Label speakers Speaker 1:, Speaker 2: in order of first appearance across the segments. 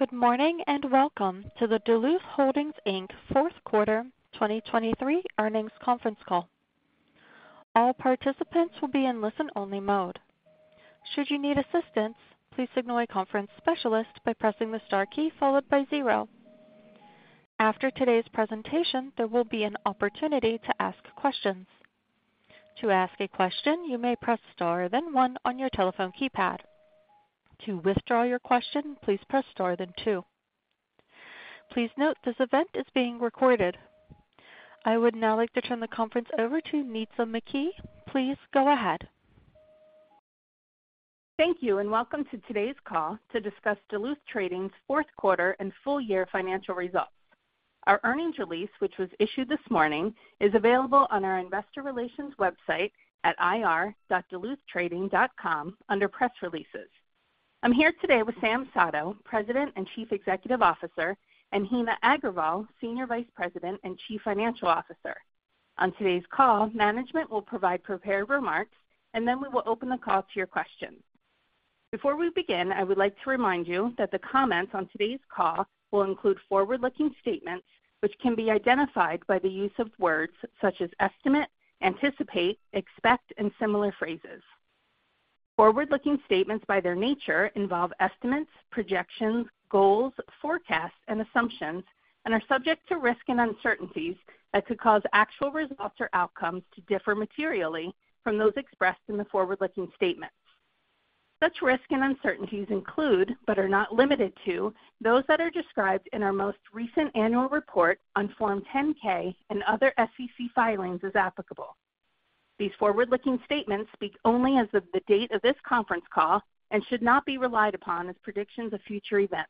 Speaker 1: Good morning and welcome to the Duluth Holdings, Inc. fourth quarter 2023 Earnings Conference Call. All participants will be in listen-only mode. Should you need assistance, please contact conference specialists by pressing the star key followed by 0. After today's presentation, there will be an opportunity to ask questions. To ask a question, you may press star then 1 on your telephone keypad. To withdraw your question, please press star then 2. Please note this event is being recorded. I would now like to turn the conference over to Nitza McKee. Please go ahead.
Speaker 2: Thank you and welcome to today's call to discuss Duluth Trading's fourth quarter and full-year financial results. Our earnings release, which was issued this morning, is available on our investor relations website at ir.duluthtrading.com under press releases. I'm here today with Sam Sato, President and Chief Executive Officer, and Heena Agrawal, Senior Vice President and Chief Financial Officer. On today's call, management will provide prepared remarks, and then we will open the call to your questions. Before we begin, I would like to remind you that the comments on today's call will include forward-looking statements, which can be identified by the use of words such as estimate, anticipate, expect, and similar phrases. Forward-looking statements, by their nature, involve estimates, projections, goals, forecasts, and assumptions, and are subject to risk and uncertainties that could cause actual results or outcomes to differ materially from those expressed in the forward-looking statements. Such risks and uncertainties include, but are not limited to, those that are described in our most recent annual report on Form 10-K and other SEC filings as applicable. These forward-looking statements speak only as of the date of this conference call and should not be relied upon as predictions of future events.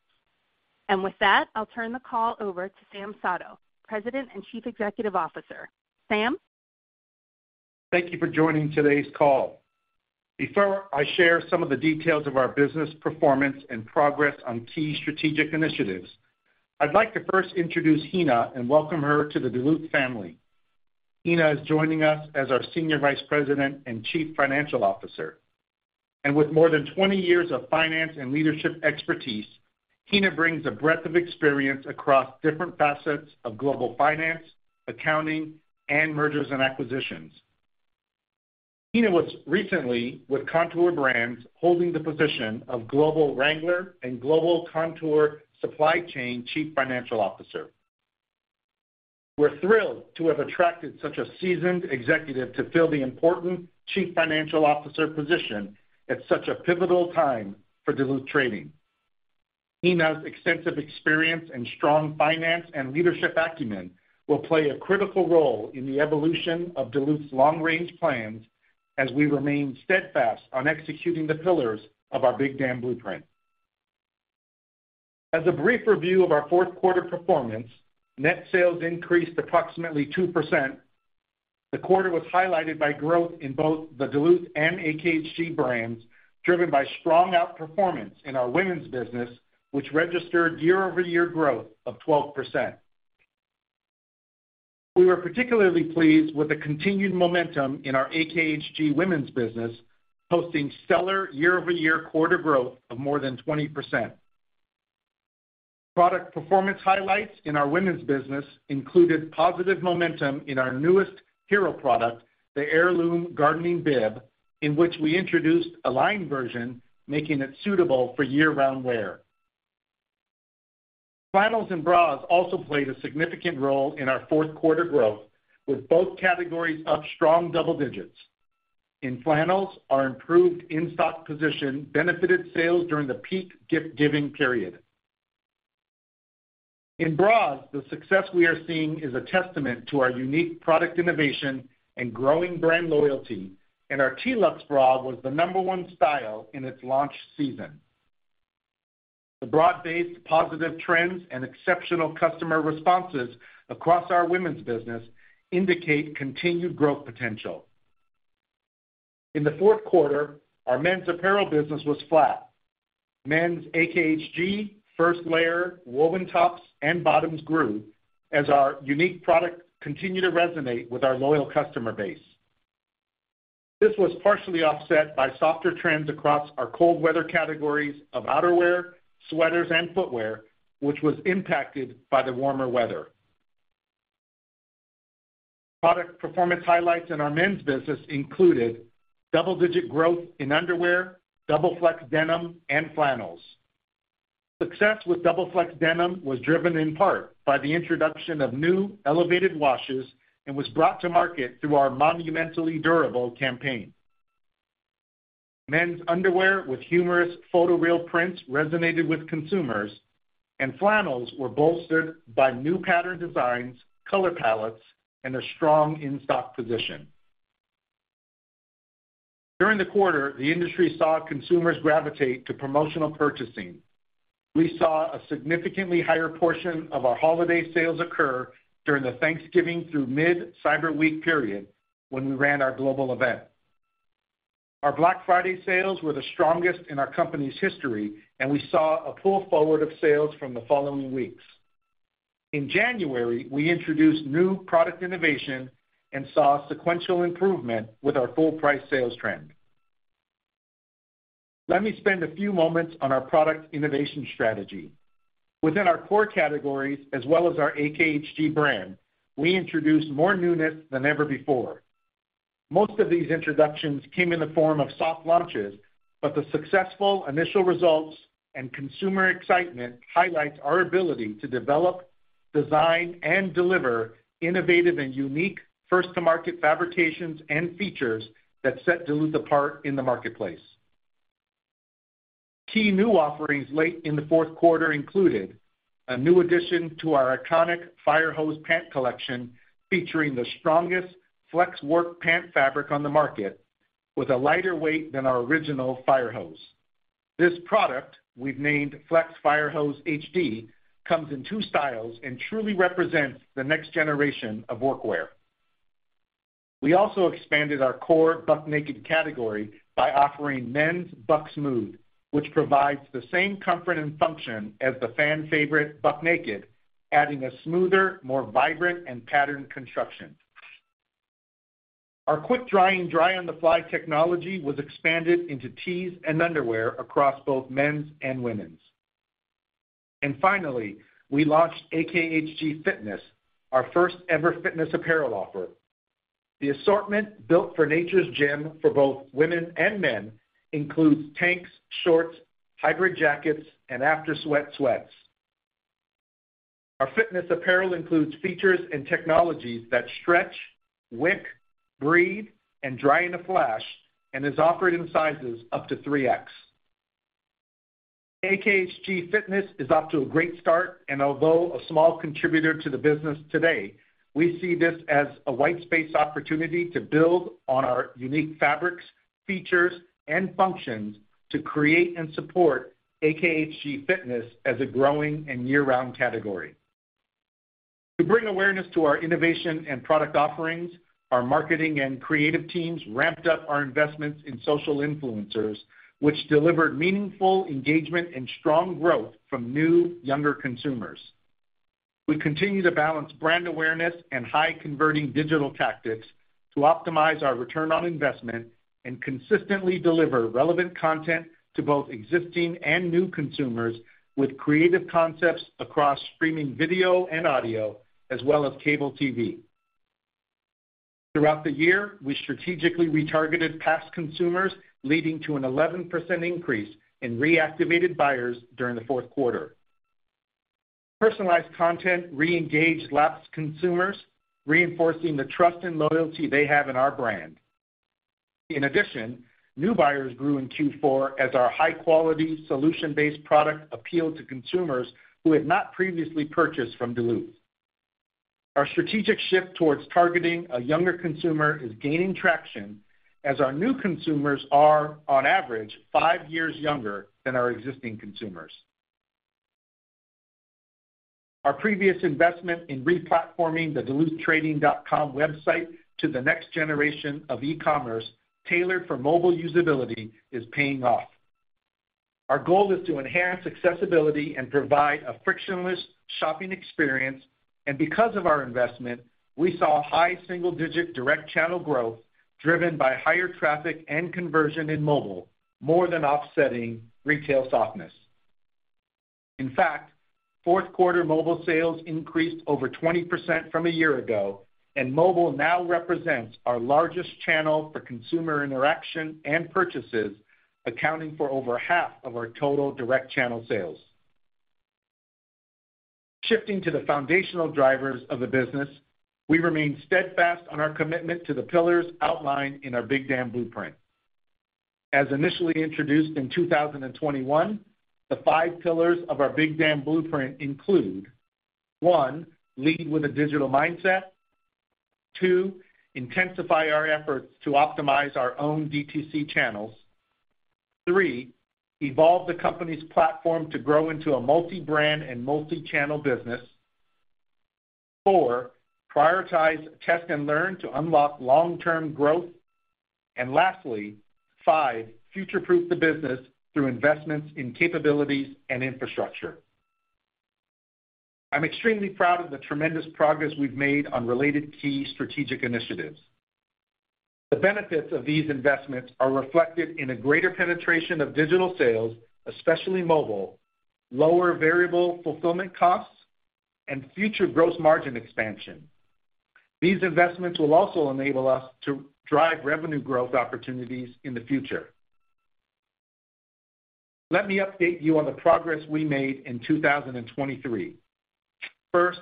Speaker 2: And with that, I'll turn the call over to Sam Sato, President and Chief Executive Officer. Sam?
Speaker 3: Thank you for joining today's call. Before I share some of the details of our business performance and progress on key strategic initiatives, I'd like to first introduce Heena and welcome her to the Duluth family. Heena is joining us as our Senior Vice President and Chief Financial Officer. And with more than 20 years of finance and leadership expertise, Heena brings a breadth of experience across different facets of global finance, accounting, and mergers and acquisitions. Heena was recently with Kontoor Brands holding the position of Global Wrangler and Global Kontoor Supply Chain Chief Financial Officer. We're thrilled to have attracted such a seasoned executive to fill the important Chief Financial Officer position at such a pivotal time for Duluth Trading. Heena's extensive experience and strong finance and leadership acumen will play a critical role in the evolution of Duluth's long-range plans as we remain steadfast on executing the pillars of our Big Dam Blueprint. As a brief review of our fourth quarter performance, net sales increased approximately 2%. The quarter was highlighted by growth in both the Duluth and AKHG brands driven by strong outperformance in our women's business, which registered year-over-year growth of 12%. We were particularly pleased with the continued momentum in our AKHG women's business, posting stellar year-over-year quarter growth of more than 20%. Product performance highlights in our women's business included positive momentum in our newest hero product, the Heirloom Gardening Bib, in which we introduced a lined version, making it suitable for year-round wear. Flannels and Bras also played a significant role in our fourth quarter growth, with both categories up strong double digits. In flannels, our improved in-stock position benefited sales during the peak gift-giving period. In bras, the success we are seeing is a testament to our unique product innovation and growing brand loyalty, and our T-Luxe bra was the number one style in its launch season. The bra-based positive trends and exceptional customer responses across our women's business indicate continued growth potential. In the fourth quarter, our men's apparel business was flat. Men's AKHG first-layer woven tops and bottoms grew as our unique product continued to resonate with our loyal customer base. This was partially offset by softer trends across our cold-weather categories of outerwear, sweaters, and footwear, which was impacted by the warmer weather. Product performance highlights in our men's business included double-digit growth in underwear, Double Flex Denim, and flannels. Success with Double Flex Denim was driven in part by the introduction of new elevated washes and was brought to market through our Monumentally Durable campaign. Men's underwear with humorous photo-real prints resonated with consumers, and flannels were bolstered by new pattern designs, color palettes, and a strong in-stock position. During the quarter, the industry saw consumers gravitate to promotional purchasing. We saw a significantly higher portion of our holiday sales occur during the Thanksgiving through mid-Cyber Week period when we ran our global event. Our Black Friday sales were the strongest in our company's history, and we saw a pull forward of sales from the following weeks. In January, we introduced new product innovation and saw sequential improvement with our full-price sales trend. Let me spend a few moments on our product innovation strategy. Within our core categories as well as our AKHG brand, we introduced more newness than ever before. Most of these introductions came in the form of soft launches, but the successful initial results and consumer excitement highlight our ability to develop, design, and deliver innovative and unique first-to-market fabrications and features that set Duluth apart in the marketplace. Key new offerings late in the fourth quarter included a new addition to our iconic Fire Hose pant collection featuring the strongest flex work pant fabric on the market with a lighter weight than our original Fire Hose. This product, we've named Flex Fire Hose HD, comes in two styles and truly represents the next generation of workwear. We also expanded our core Buck Naked category by offering Men's Buck Smooth, which provides the same comfort and function as the fan-favorite Buck Naked, adding a smoother, more vibrant, and patterned construction. quick-drying, Dry on the Fly technology was expanded into tees and underwear across both men's and women's. Finally, we launched AKHG Fitness, our first-ever fitness apparel offer. The assortment built for Nature's Gym for both women and men includes tanks, shorts, hybrid jackets, and After-Sweat sweats. Our fitness apparel includes features and technologies that stretch, wick, breathe, and dry in a flash and is offered in sizes up to 3X. AKHG Fitness is off to a great start, and although a small contributor to the business today, we see this as a white space opportunity to build on our unique fabrics, features, and functions to create and support AKHG Fitness as a growing and year-round category. To bring awareness to our innovation and product offerings, our marketing and creative teams ramped up our investments in social influencers, which delivered meaningful engagement and strong growth from new, younger consumers. We continue to balance brand awareness and high-converting digital tactics to optimize our return on investment and consistently deliver relevant content to both existing and new consumers with creative concepts across streaming video and audio as well as cable TV. Throughout the year, we strategically retargeted past consumers, leading to an 11% increase in reactivated buyers during the fourth quarter. Personalized content re-engaged lapsed consumers, reinforcing the trust and loyalty they have in our brand. In addition, new buyers grew in Q4 as our high-quality solution-based product appealed to consumers who had not previously purchased from Duluth. Our strategic shift towards targeting a younger consumer is gaining traction as our new consumers are, on average, five years younger than our existing consumers. Our previous investment in replatforming the duluthtrading.com website to the next generation of e-commerce tailored for mobile usability is paying off. Our goal is to enhance accessibility and provide a frictionless shopping experience. Because of our investment, we saw high single-digit direct channel growth driven by higher traffic and conversion in mobile more than offsetting retail softness. In fact, fourth quarter mobile sales increased over 20% from a year ago, and mobile now represents our largest channel for consumer interaction and purchases, accounting for over half of our total direct channel sales. Shifting to the foundational drivers of the business, we remain steadfast on our commitment to the pillars outlined in our Big Dam Blueprint. As initially introduced in 2021, the five pillars of our Big Dam Blueprint include: 1. Lead with a digital mindset. 2. Intensify our efforts to optimize our own DTC channels. 3. Evolve the company's platform to grow into a multi-brand and multi-channel business. 4. Prioritize test and learn to unlock long-term growth. Lastly, 5. Future-proof the business through investments in capabilities and infrastructure. I'm extremely proud of the tremendous progress we've made on related key strategic initiatives. The benefits of these investments are reflected in a greater penetration of digital sales, especially mobile, lower variable fulfillment costs, and future gross margin expansion. These investments will also enable us to drive revenue growth opportunities in the future. Let me update you on the progress we made in 2023. First,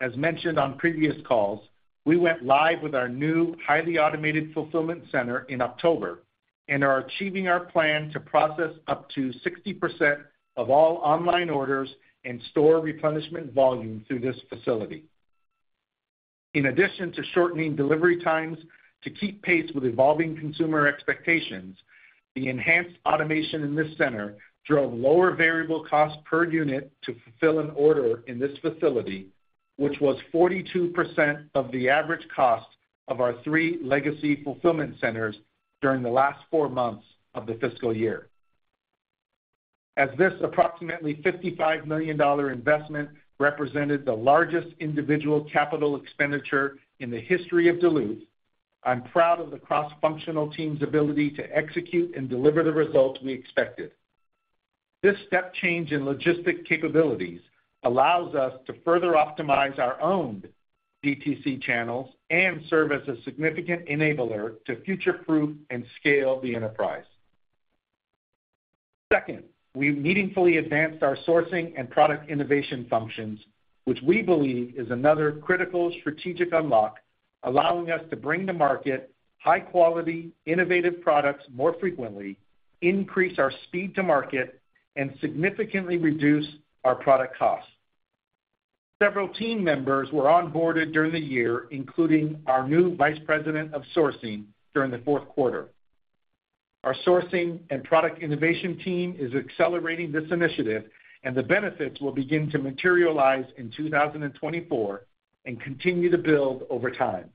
Speaker 3: as mentioned on previous calls, we went live with our new highly automated fulfillment center in October and are achieving our plan to process up to 60% of all online orders and store replenishment volume through this facility. In addition to shortening delivery times to keep pace with evolving consumer expectations, the enhanced automation in this center drove lower variable costs per unit to fulfill an order in this facility, which was 42% of the average cost of our 3 legacy fulfillment centers during the last 4 months of the fiscal year. As this approximately $55 million investment represented the largest individual capital expenditure in the history of Duluth, I'm proud of the cross-functional team's ability to execute and deliver the results we expected. This step change in logistics capabilities allows us to further optimize our own DTC channels and serve as a significant enabler to future-proof and scale the enterprise. Second, we meaningfully advanced our sourcing and product innovation functions, which we believe is another critical strategic unlock, allowing us to bring to market high-quality, innovative products more frequently, increase our speed to market, and significantly reduce our product costs. Several team members were onboarded during the year, including our new Vice President of sourcing during the fourth quarter. Our sourcing and product innovation team is accelerating this initiative, and the benefits will begin to materialize in 2024 and continue to build over time.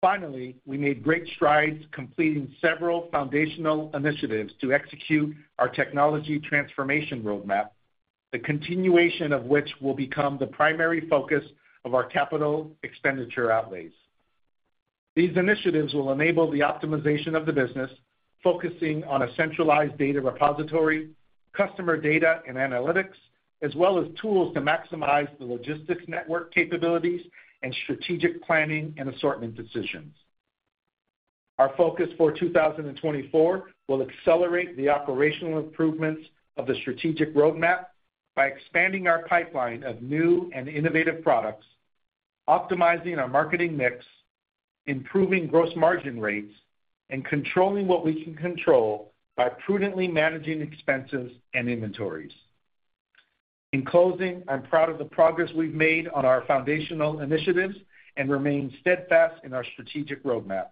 Speaker 3: Finally, we made great strides completing several foundational initiatives to execute our technology transformation roadmap, the continuation of which will become the primary focus of our capital expenditure outlays. These initiatives will enable the optimization of the business, focusing on a centralized data repository, customer data and analytics, as well as tools to maximize the logistics network capabilities and strategic planning and assortment decisions. Our focus for 2024 will accelerate the operational improvements of the strategic roadmap by expanding our pipeline of new and innovative products, optimizing our marketing mix, improving gross margin rates, and controlling what we can control by prudently managing expenses and inventories. In closing, I'm proud of the progress we've made on our foundational initiatives and remain steadfast in our strategic roadmap.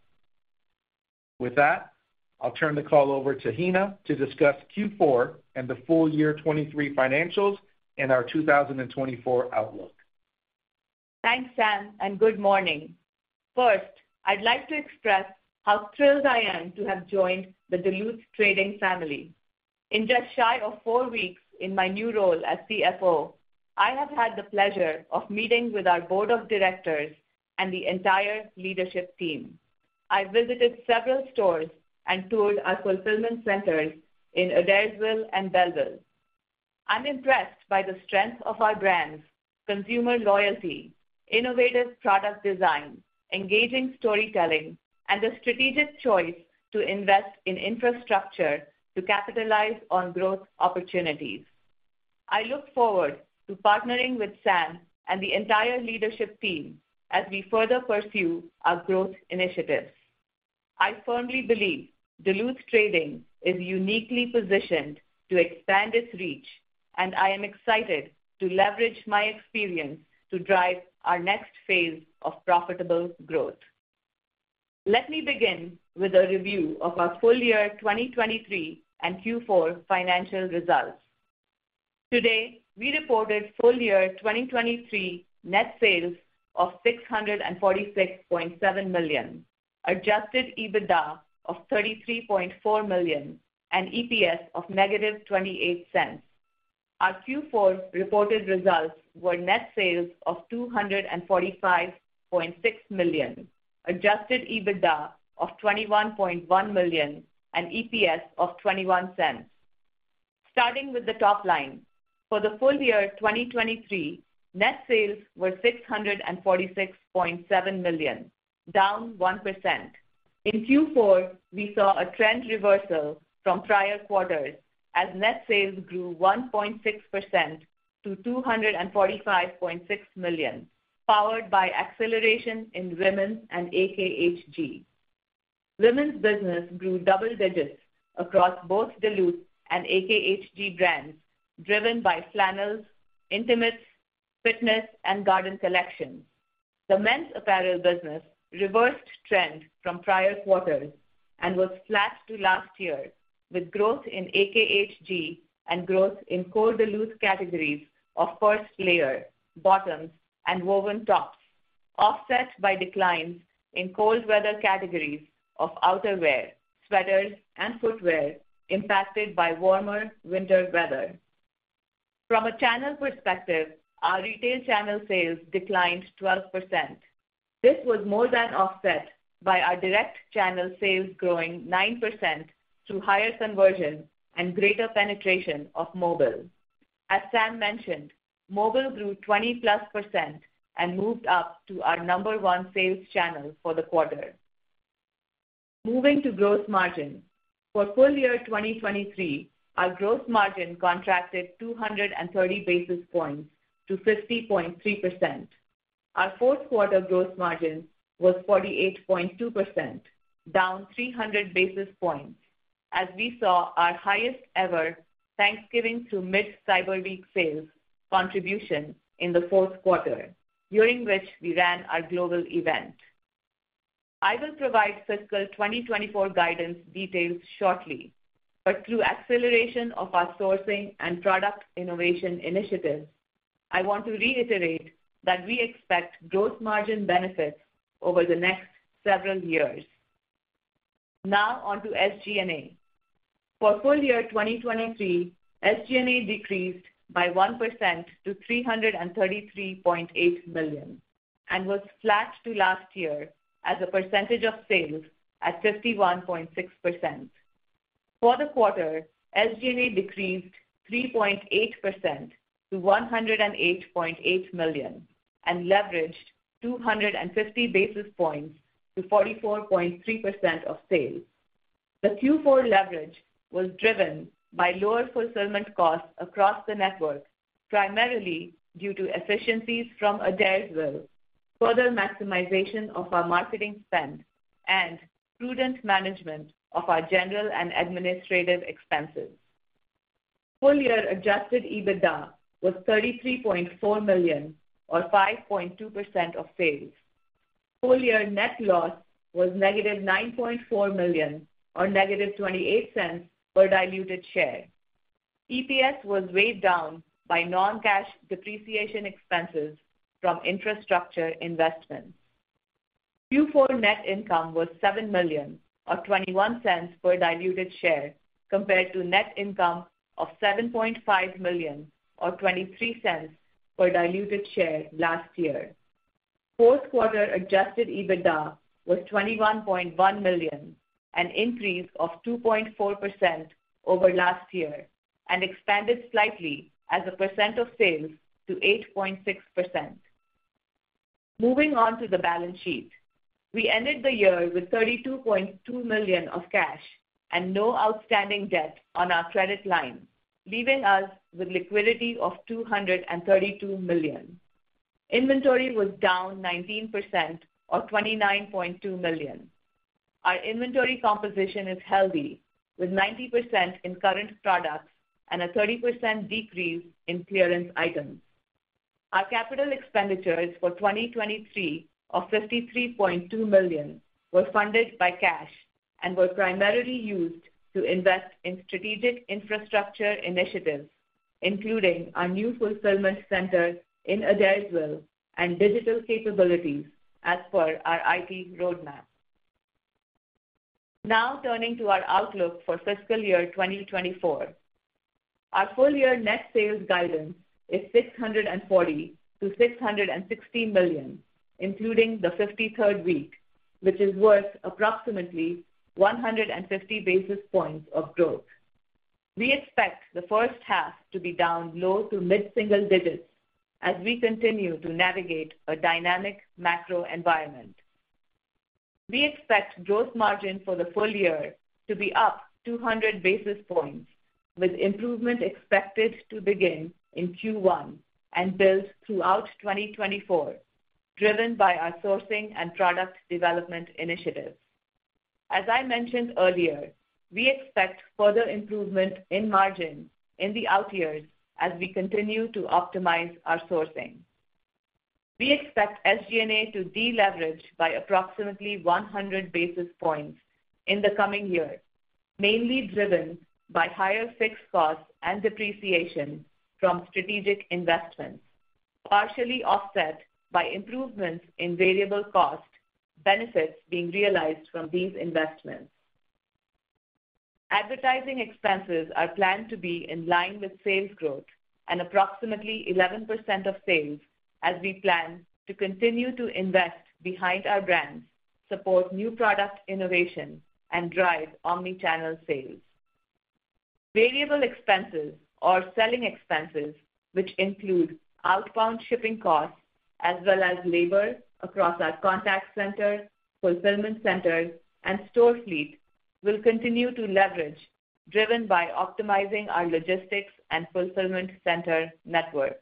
Speaker 3: With that, I'll turn the call over to Heena to discuss Q4 and the full year 2023 financials and our 2024 outlook.
Speaker 4: Thanks, Sam, and good morning. First, I'd like to express how thrilled I am to have joined the Duluth Trading family. In just shy of four weeks in my new role as CFO, I have had the pleasure of meeting with our board of directors and the entire leadership team. I visited several stores and toured our fulfillment centers in Adairsville and Belleville. I'm impressed by the strength of our brands, consumer loyalty, innovative product design, engaging storytelling, and the strategic choice to invest in infrastructure to capitalize on growth opportunities. I look forward to partnering with Sam and the entire leadership team as we further pursue our growth initiatives. I firmly believe Duluth Trading is uniquely positioned to expand its reach, and I am excited to leverage my experience to drive our next phase of profitable growth. Let me begin with a review of our full year 2023 and Q4 financial results. Today, we reported full year 2023 net sales of $646.7 million, Adjusted EBITDA of $33.4 million, and EPS of -$0.28. Our Q4 reported results were net sales of $245.6 million, Adjusted EBITDA of $21.1 million, and EPS of $0.21. Starting with the top line, for the full year 2023, net sales were $646.7 million, down 1%. In Q4, we saw a trend reversal from prior quarters as net sales grew 1.6% to $245.6 million, powered by acceleration in women's and AKHG. Women's business grew double digits across both Duluth and AKHG brands, driven by flannels, intimates, fitness, and garden collections. The men's apparel business reversed trend from prior quarters and was flat to last year, with growth in AKHG and growth in core Duluth categories of first layer, bottoms, and woven tops, offset by declines in cold-weather categories of outerwear, sweaters, and footwear impacted by warmer winter weather. From a channel perspective, our retail channel sales declined 12%. This was more than offset by our direct channel sales growing 9% through higher conversion and greater penetration of mobile. As Sam mentioned, mobile grew 20%+ and moved up to our number one sales channel for the quarter. Moving to gross margin, for full year 2023, our gross margin contracted 230 basis points to 50.3%. Our fourth quarter gross margin was 48.2%, down 300 basis points, as we saw our highest-ever Thanksgiving through mid-Cyber Week sales contribution in the fourth quarter, during which we ran our global event. I will provide fiscal 2024 guidance details shortly, but through acceleration of our sourcing and product innovation initiatives, I want to reiterate that we expect gross margin benefits over the next several years. Now onto SG&A. For full year 2023, SG&A decreased by 1% to $333.8 million and was flat to last year as a percentage of sales at 51.6%. For the quarter, SG&A decreased 3.8% to $108.8 million and leveraged 250 basis points to 44.3% of sales. The Q4 leverage was driven by lower fulfillment costs across the network, primarily due to efficiencies from Adairsville, further maximization of our marketing spend, and prudent management of our general and administrative expenses. Full year Adjusted EBITDA was $33.4 million or 5.2% of sales. Full year net loss was -$9.4 million or -$0.28 per diluted share. EPS was weighed down by non-cash depreciation expenses from infrastructure investments. Q4 net income was $7 million or $0.21 per diluted share compared to net income of $7.5 million or $0.23 per diluted share last year. Fourth quarter Adjusted EBITDA was $21.1 million, an increase of 2.4% over last year, and expanded slightly as a percent of sales to 8.6%. Moving on to the balance sheet, we ended the year with $32.2 million of cash and no outstanding debt on our credit line, leaving us with liquidity of $232 million. Inventory was down 19% or $29.2 million. Our inventory composition is healthy, with 90% in current products and a 30% decrease in clearance items. Our capital expenditures for 2023 of $53.2 million were funded by cash and were primarily used to invest in strategic infrastructure initiatives, including our new fulfillment center in Adairsville and digital capabilities as per our IT roadmap. Now turning to our outlook for fiscal year 2024. Our full year net sales guidance is $640 million-$660 million, including the 53rd week, which is worth approximately 150 basis points of growth. We expect the first half to be down low to mid-single digits as we continue to navigate a dynamic macro environment. We expect gross margin for the full year to be up 200 basis points, with improvement expected to begin in Q1 and build throughout 2024, driven by our sourcing and product development initiatives. As I mentioned earlier, we expect further improvement in margin in the out years as we continue to optimize our sourcing. We expect SG&A to deleverage by approximately 100 basis points in the coming year, mainly driven by higher fixed costs and depreciation from strategic investments, partially offset by improvements in variable cost benefits being realized from these investments. Advertising expenses are planned to be in line with sales growth, and approximately 11% of sales as we plan to continue to invest behind our brands, support new product innovation, and drive omnichannel sales. Variable expenses, or selling expenses, which include outbound shipping costs as well as labor across our contact center, fulfillment center, and store fleet, will continue to leverage, driven by optimizing our logistics and fulfillment center network.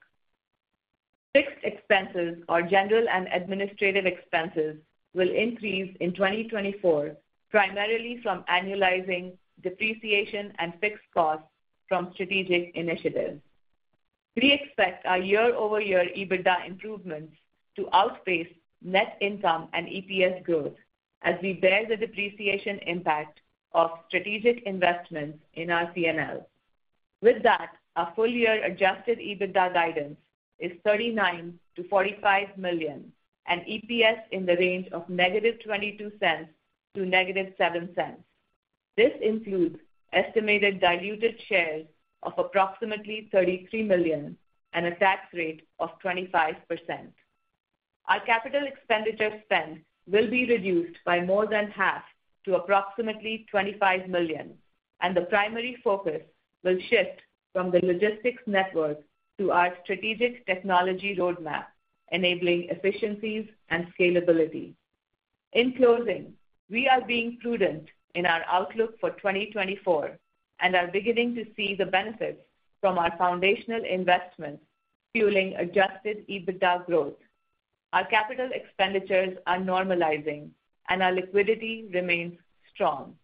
Speaker 4: Fixed expenses, or general and administrative expenses, will increase in 2024, primarily from annualizing depreciation and fixed costs from strategic initiatives. We expect our year-over-year EBITDA improvements to outpace net income and EPS growth as we bear the depreciation impact of strategic investments in our P&L. With that, our full-year Adjusted EBITDA guidance is $39 million-$45 million and EPS in the range of -$0.22 to -$0.07. This includes estimated diluted shares of approximately 33 million and a tax rate of 25%. Our capital expenditure spend will be reduced by more than half to approximately $25 million, and the primary focus will shift from the logistics network to our strategic technology roadmap, enabling efficiencies and scalability. In closing, we are being prudent in our outlook for 2024 and are beginning to see the benefits from our foundational investments fueling Adjusted EBITDA growth. Our capital expenditures are normalizing, and our liquidity remains strong.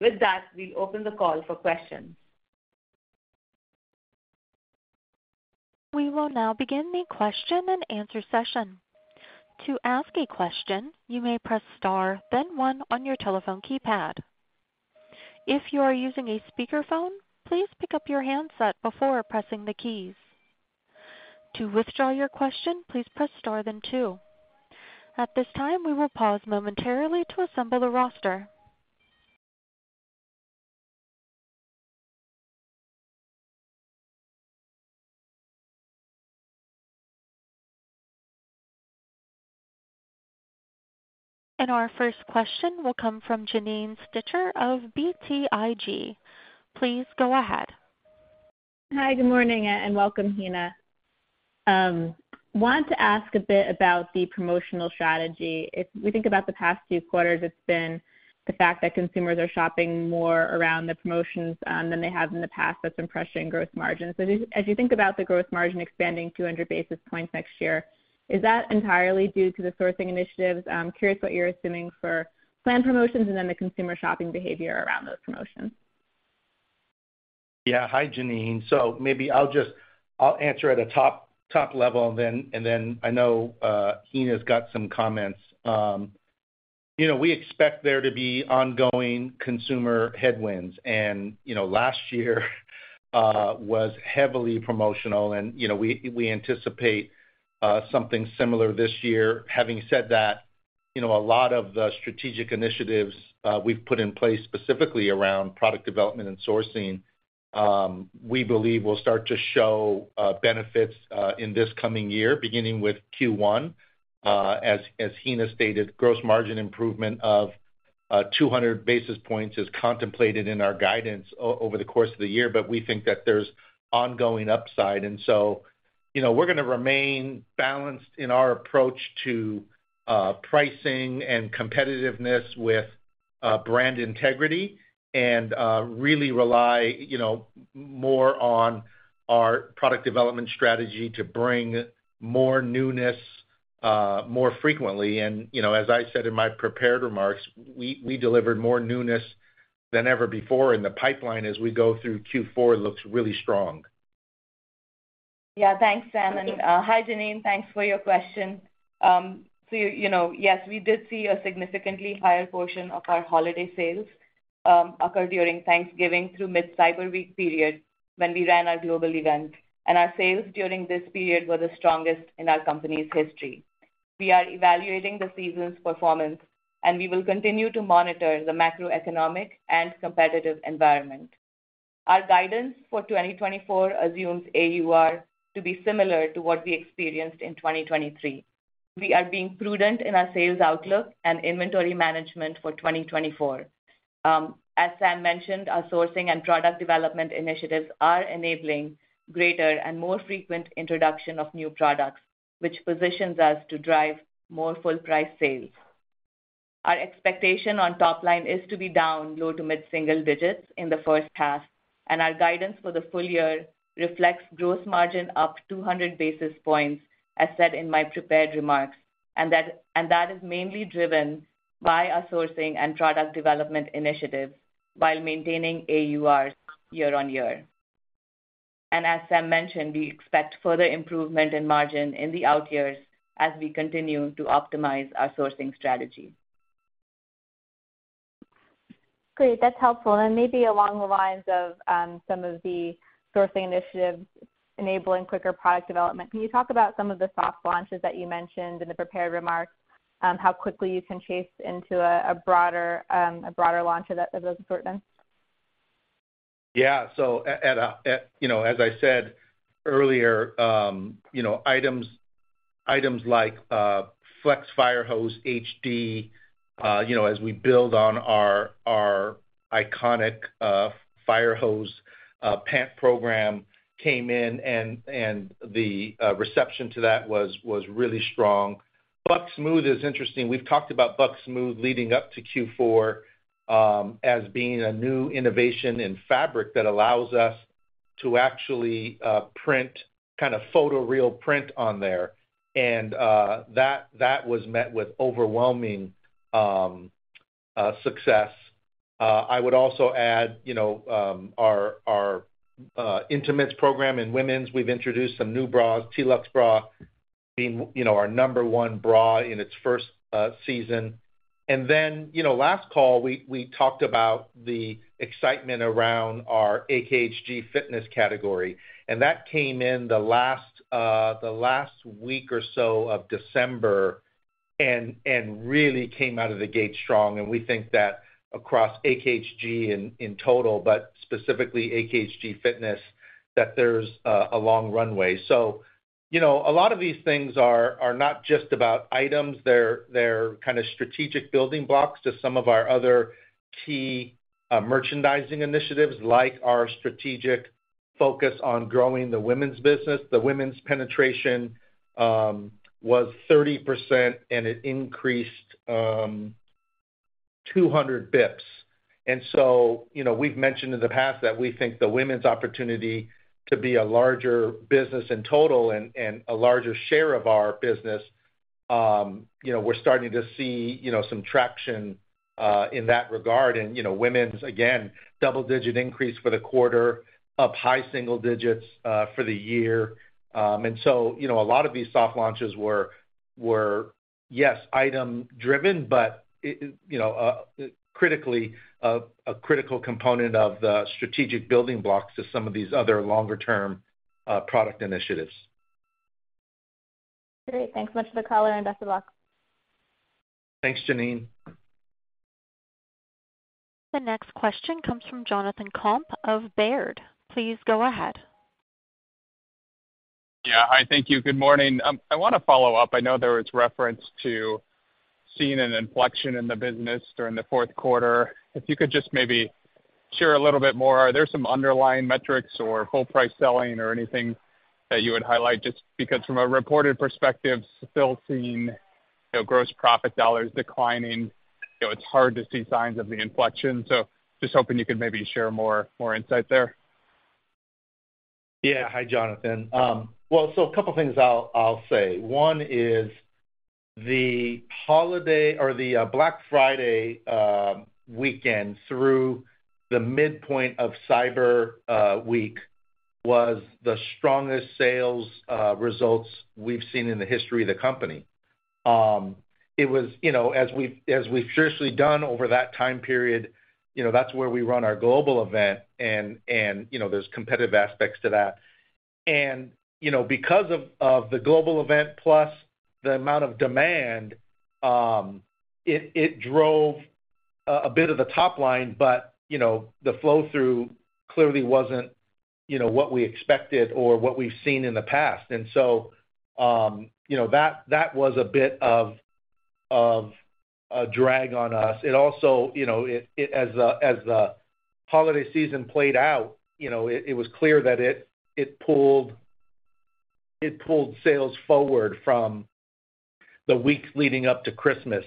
Speaker 4: With that, we'll open the call for questions.
Speaker 1: We will now begin the question and answer session. To ask a question, you may press star, then one on your telephone keypad. If you are using a speakerphone, please pick up your handset before pressing the keys. To withdraw your question, please press star, then two. At this time, we will pause momentarily to assemble the roster. Our first question will come from Janine Stichter of BTIG. Please go ahead.
Speaker 5: Hi, good morning, and welcome, Heena. I want to ask a bit about the promotional strategy. If we think about the past two quarters, it's been the fact that consumers are shopping more around the promotions than they have in the past that's impacting gross margins. As you think about the gross margin expanding 200 basis points next year, is that entirely due to the sourcing initiatives? I'm curious what you're assuming for planned promotions and then the consumer shopping behavior around those promotions.
Speaker 3: Yeah, hi, Janine. So maybe I'll answer at a top level, and then I know Heena's got some comments. We expect there to be ongoing consumer headwinds, and last year was heavily promotional, and we anticipate something similar this year. Having said that, a lot of the strategic initiatives we've put in place specifically around product development and sourcing, we believe will start to show benefits in this coming year, beginning with Q1. As Heena stated, gross margin improvement of 200 basis points is contemplated in our guidance over the course of the year, but we think that there's ongoing upside. And so we're going to remain balanced in our approach to pricing and competitiveness with brand integrity and really rely more on our product development strategy to bring more newness more frequently. And as I said in my prepared remarks, we delivered more newness than ever before, and the pipeline as we go through Q4 looks really strong.
Speaker 4: Yeah, thanks, Sam. And hi, Janine. Thanks for your question. So yes, we did see a significantly higher portion of our holiday sales occur during Thanksgiving through mid-Cyber Week period when we ran our global event, and our sales during this period were the strongest in our company's history. We are evaluating the season's performance, and we will continue to monitor the macroeconomic and competitive environment. Our guidance for 2024 assumes AUR to be similar to what we experienced in 2023. We are being prudent in our sales outlook and inventory management for 2024. As Sam mentioned, our sourcing and product development initiatives are enabling greater and more frequent introduction of new products, which positions us to drive more full-price sales. Our expectation on top line is to be down low- to mid-single digits in the first half, and our guidance for the full year reflects gross margin up 200 basis points, as said in my prepared remarks, and that is mainly driven by our sourcing and product development initiatives while maintaining AUR year-over-year. And as Sam mentioned, we expect further improvement in margin in the out years as we continue to optimize our sourcing strategy.
Speaker 5: Great. That's helpful. And maybe along the lines of some of the sourcing initiatives enabling quicker product development, can you talk about some of the soft launches that you mentioned in the prepared remarks, how quickly you can chase into a broader launch of those assortments?
Speaker 3: Yeah. So as I said earlier, items like Flex Fire Hose HD, as we build on our iconic Fire Hose pant program, came in, and the reception to that was really strong. Buck Smooth is interesting. We've talked about Buck Smooth leading up to Q4 as being a new innovation in fabric that allows us to actually print kind of photoreal print on there, and that was met with overwhelming success. I would also add our Intimates program in women's. We've introduced some new bras, T-Luxe bra, being our number one bra in its first season. And then last call, we talked about the excitement around our AKHG Fitness category, and that came in the last week or so of December and really came out of the gate strong. And we think that across AKHG in total, but specifically AKHG Fitness, that there's a long runway. So a lot of these things are not just about items. They're kind of strategic building blocks to some of our other key merchandising initiatives, like our strategic focus on growing the women's business. The women's penetration was 30%, and it increased 200 basis points. And so we've mentioned in the past that we think the women's opportunity to be a larger business in total and a larger share of our business, we're starting to see some traction in that regard. And women, again, double-digit increase for the quarter, up high single digits for the year. And so a lot of these soft launches were, yes, item-driven, but critically, a critical component of the strategic building blocks to some of these other longer-term product initiatives.
Speaker 5: Great. Thanks so much for the color. Best of luck.
Speaker 1: Thanks, Janine. The next question comes from Jonathan Komp of Baird. Please go ahead.
Speaker 6: Yeah, I thank you. Good morning. I want to follow up. I know there was reference to seeing an inflection in the business during the fourth quarter. If you could just maybe share a little bit more. Are there some underlying metrics or full-price selling or anything that you would highlight? Just because from a reported perspective, still seeing gross profit dollars declining. It's hard to see signs of the inflection. So just hoping you could maybe share more insight there.
Speaker 3: Yeah. Hi, Jonathan. Well, so a couple of things I'll say. One is the holiday or the Black Friday weekend through the midpoint of Cyber Week was the strongest sales results we've seen in the history of the company. It was, as we've traditionally done over that time period, that's where we run our global event, and there's competitive aspects to that. Because of the global event plus the amount of demand, it drove a bit of the top line, but the flow-through clearly wasn't what we expected or what we've seen in the past. So that was a bit of a drag on us. It also, as the holiday season played out, it was clear that it pulled sales forward from the week leading up to Christmas,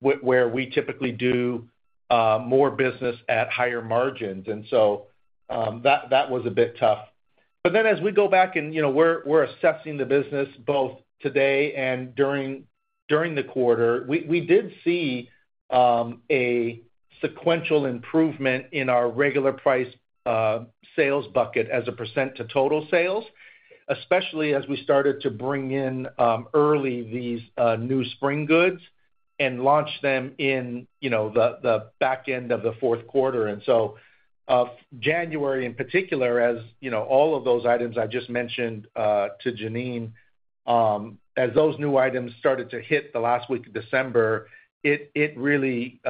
Speaker 3: where we typically do more business at higher margins. So that was a bit tough. Then as we go back and we're assessing the business both today and during the quarter, we did see a sequential improvement in our regular-price sales bucket as a percent to total sales, especially as we started to bring in early these new spring goods and launch them in the back end of the fourth quarter. And so January in particular, as all of those items I just mentioned to Janine, as those new items started to hit the last week of December, it really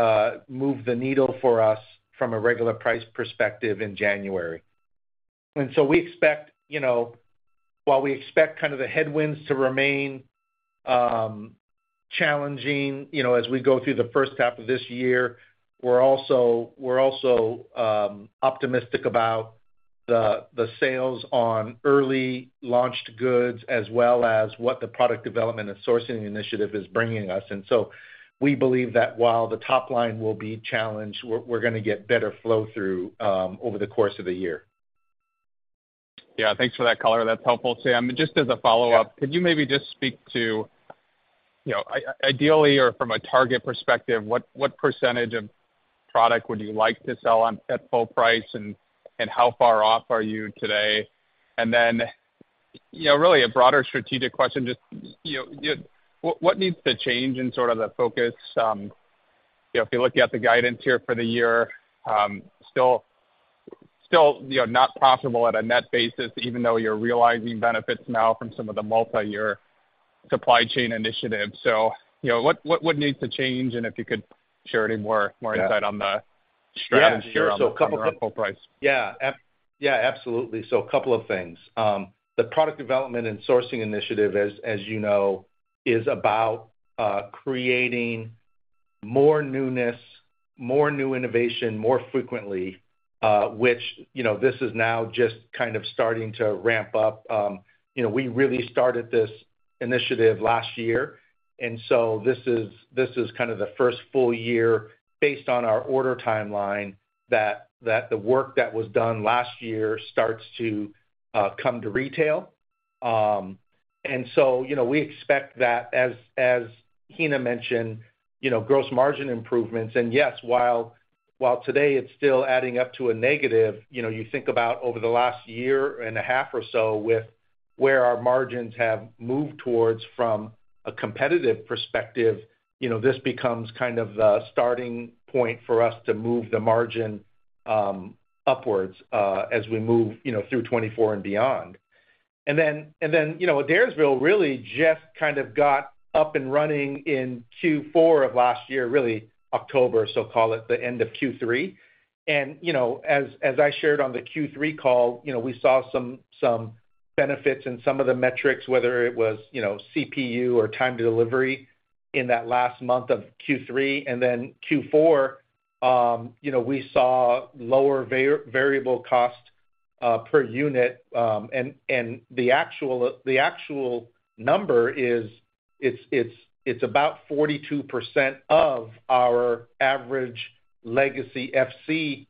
Speaker 3: moved the needle for us from a regular-price perspective in January. And so we expect, while we expect kind of the headwinds to remain challenging as we go through the first half of this year, we're also optimistic about the sales on early-launched goods as well as what the product development and sourcing initiative is bringing us. And so we believe that while the top line will be challenged, we're going to get better flow-through over the course of the year.
Speaker 6: Yeah. Thanks for that color. That's helpful, Sam. Just as a follow-up, could you maybe just speak to, ideally or from a target perspective, what percentage of product would you like to sell at full price, and how far off are you today? Then really a broader strategic question, just what needs to change in sort of the focus? If you look at the guidance here for the year, still not profitable at a net basis, even though you're realizing benefits now from some of the multi-year supply chain initiatives. So what needs to change? And if you could share any more insight on the strategy around full price.
Speaker 3: Yeah. Yeah, absolutely. So a couple of things. The product development and sourcing initiative, as you know, is about creating more newness, more new innovation more frequently, which this is now just kind of starting to ramp up. We really started this initiative last year, and so this is kind of the first full year based on our order timeline that the work that was done last year starts to come to retail. And so we expect that, as Heena mentioned, gross margin improvements. And yes, while today it's still adding up to a negative, you think about over the last year and a half or so with where our margins have moved towards from a competitive perspective, this becomes kind of the starting point for us to move the margin upwards as we move through 2024 and beyond. And then Adairsville really just kind of got up and running in Q4 of last year, really October, so call it the end of Q3. As I shared on the Q3 call, we saw some benefits in some of the metrics, whether it was CPU or time to delivery in that last month of Q3. Then Q4, we saw lower variable cost per unit, and the actual number is it's about 42% of our average legacy FC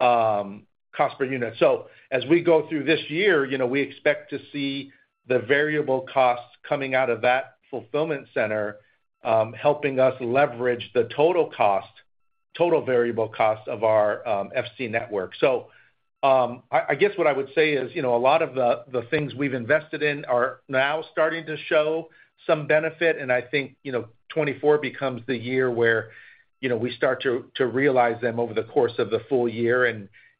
Speaker 3: cost per unit. As we go through this year, we expect to see the variable costs coming out of that fulfillment center helping us leverage the total cost, total variable cost of our FC network. I guess what I would say is a lot of the things we've invested in are now starting to show some benefit, and I think 2024 becomes the year where we start to realize them over the course of the full year.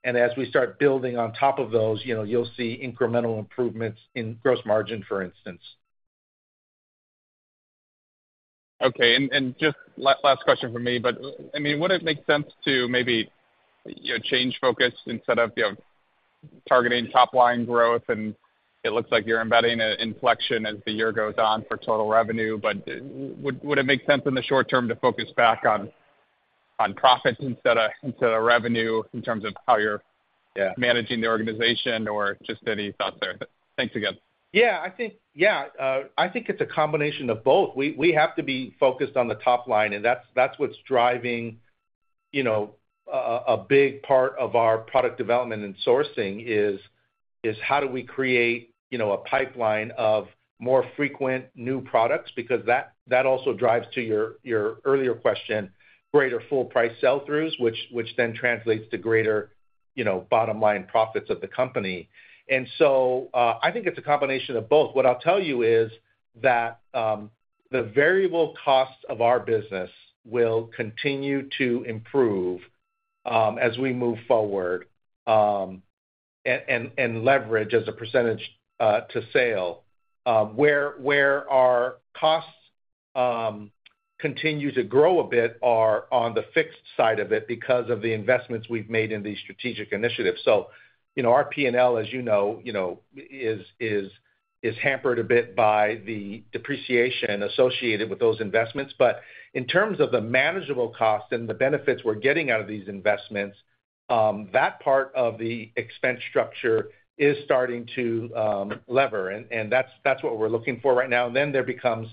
Speaker 3: As we start building on top of those, you'll see incremental improvements in gross margin, for instance.
Speaker 6: Okay. Just last question from me, but I mean, would it make sense to maybe change focus instead of targeting top line growth? It looks like you're embedding an inflection as the year goes on for total revenue, but would it make sense in the short term to focus back on profits instead of revenue in terms of how you're managing the organization or just any thoughts there? Thanks again.
Speaker 3: Yeah. Yeah. I think it's a combination of both. We have to be focused on the top line, and that's what's driving a big part of our product development and sourcing, is how do we create a pipeline of more frequent new products? Because that also drives to your earlier question, greater full-price sell-throughs, which then translates to greater bottom line profits of the company. And so I think it's a combination of both. What I'll tell you is that the variable costs of our business will continue to improve as we move forward and leverage as a percentage to sale. Where our costs continue to grow a bit are on the fixed side of it because of the investments we've made in these strategic initiatives. So our P&L, as you know, is hampered a bit by the depreciation associated with those investments. But in terms of the manageable costs and the benefits we're getting out of these investments, that part of the expense structure is starting to lever, and that's what we're looking for right now. And then there becomes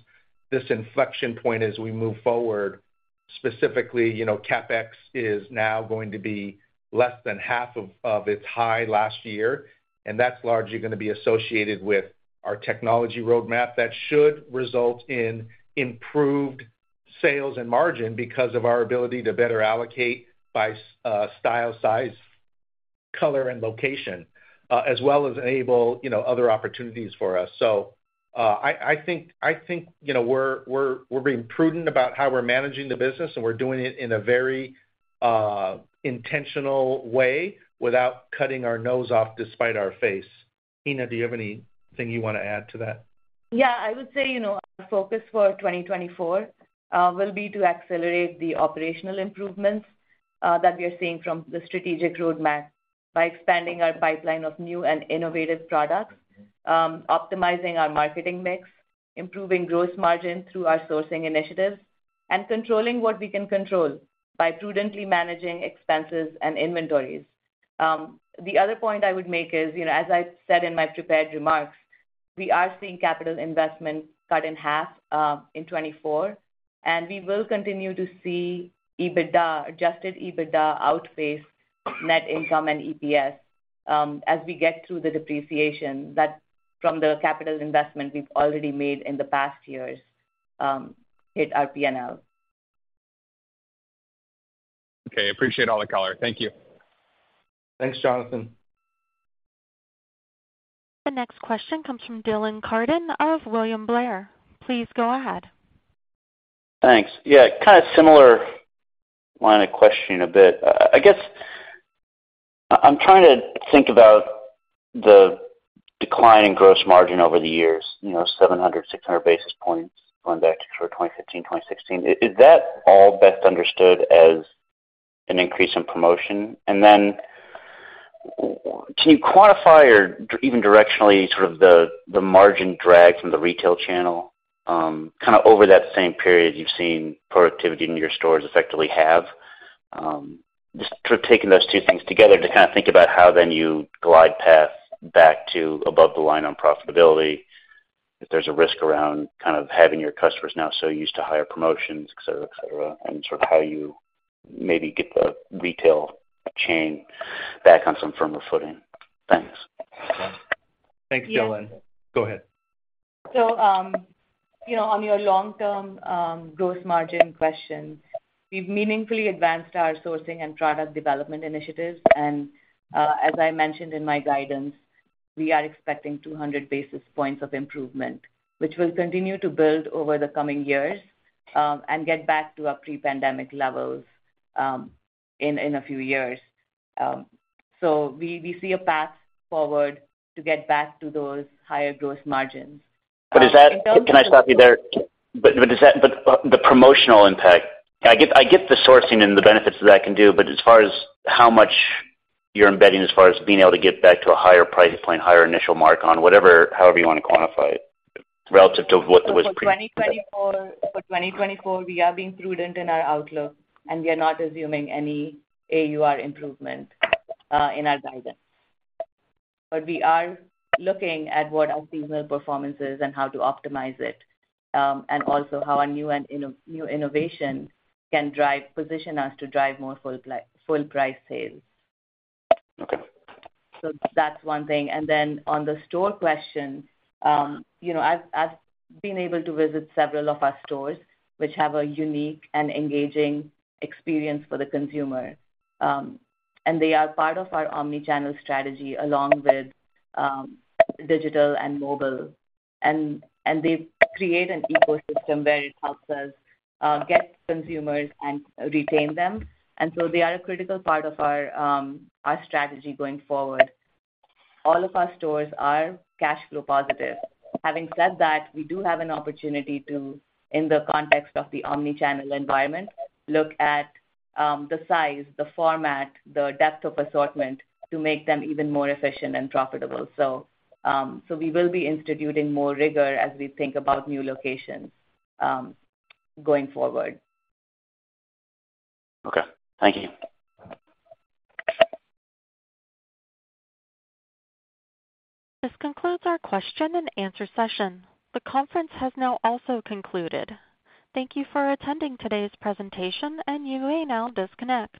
Speaker 3: this inflection point as we move forward. Specifically, CapEx is now going to be less than half of its high last year, and that's largely going to be associated with our technology roadmap that should result in improved sales and margin because of our ability to better allocate by style, size, color, and location, as well as enable other opportunities for us. So I think we're being prudent about how we're managing the business, and we're doing it in a very intentional way without cutting our nose off despite our face. Heena, do you have anything you want to add to that?
Speaker 4: Yeah. I would say our focus for 2024 will be to accelerate the operational improvements that we are seeing from the strategic roadmap by expanding our pipeline of new and innovative products, optimizing our marketing mix, improving gross margin through our sourcing initiatives, and controlling what we can control by prudently managing expenses and inventories. The other point I would make is, as I said in my prepared remarks, we are seeing capital investment cut in half in 2024, and we will continue to see Adjusted EBITDA outpace net income and EPS as we get through the depreciation from the capital investment we've already made in the past years hit our P&L.
Speaker 6: Okay. Appreciate all the color. Thank you.
Speaker 3: Thanks, Jonathan.
Speaker 1: The next question comes from Dylan Carden of William Blair. Please go ahead.
Speaker 7: Thanks. Yeah. Kind of similar line of question a bit. I guess I'm trying to think about the decline in gross margin over the years, 700-600 basis points going back to sort of 2015, 2016. Is that all best understood as an increase in promotion? And then can you quantify or even directionally sort of the margin drag from the retail channel kind of over that same period you've seen productivity in your stores effectively have? Just sort of taking those two things together to kind of think about how then you glide path back to above the line on profitability, if there's a risk around kind of having your customers now so used to higher promotions, etc., etc., and sort of how you maybe get the retail chain back on some firmer footing. Thanks.
Speaker 3: Thanks, Dylan. Go ahead.
Speaker 4: On your long-term gross margin question, we've meaningfully advanced our sourcing and product development initiatives. And as I mentioned in my guidance, we are expecting 200 basis points of improvement, which will continue to build over the coming years and get back to our pre-pandemic levels in a few years. So we see a path forward to get back to those higher gross margins.
Speaker 7: But, can I stop you there? But the promotional impact, I get the sourcing and the benefits that that can do, but as far as how much you're embedding, as far as being able to get back to a higher price point, higher initial mark on whatever, however you want to quantify it relative to what it was pre.
Speaker 4: For 2024, we are being prudent in our outlook, and we are not assuming any AUR improvement in our guidance. But we are looking at what our seasonal performance is and how to optimize it and also how our new innovation can position us to drive more full-price sales. So that's one thing. Then on the store question, I've been able to visit several of our stores, which have a unique and engaging experience for the consumer. They are part of our omnichannel strategy along with digital and mobile. They create an ecosystem where it helps us get consumers and retain them. So they are a critical part of our strategy going forward. All of our stores are cash flow positive. Having said that, we do have an opportunity to, in the context of the omnichannel environment, look at the size, the format, the depth of assortment to make them even more efficient and profitable. We will be instituting more rigor as we think about new locations going forward.
Speaker 7: Okay. Thank you.
Speaker 1: This concludes our question and answer session. The conference has now also concluded. Thank you for attending today's presentation, and you may now disconnect.